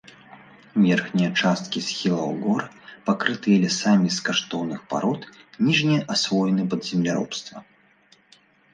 Верхнія часткі схілаў гор пакрытыя лясамі з каштоўных парод, ніжнія асвоены пад земляробства.